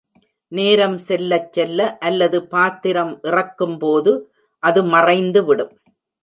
நேரம் செல்லச் செல்ல, அல்லது, பாத்திரம் இறக்கும்போது அது மறைந்துவிடும்.